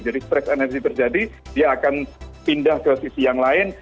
jadi stress energi terjadi dia akan pindah ke sisi yang lain